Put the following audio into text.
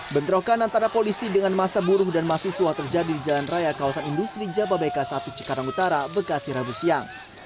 bentrokan antara polisi dengan masa buruh dan mahasiswa terjadi di jalan raya kawasan industri jababeka satu cikarang utara bekasi rabu siang